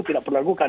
tidak perlu dilakukan